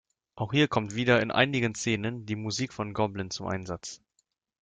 Auch hier kommt wieder in einigen Szenen die Musik von Goblin zum Einsatz.